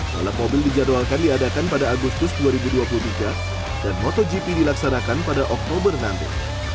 balap mobil dijadwalkan diadakan pada agustus dua ribu dua puluh tiga dan motogp dilaksanakan pada oktober nanti